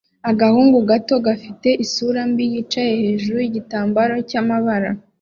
Agahungu gato gafite isura mbi yicaye hejuru yigitambaro cyamabara